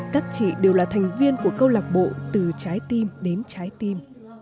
các chị đều là thành viên của câu lạc bộ từ trái tim đến trái tim